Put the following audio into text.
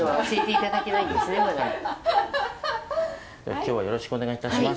今日はよろしくお願いいたします。